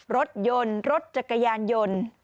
รถยนต์รถจักรยานยนต์